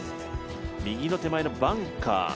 右の手前のバンカー。